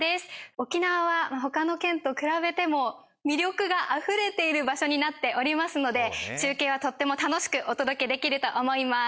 沖縄は他の県と比べても魅力があふれている場所になっておりますので中継はとっても楽しくお届けできると思います